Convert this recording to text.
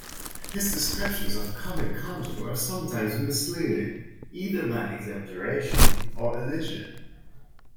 His descriptions of comic content were sometimes misleading, either by exaggeration or elision.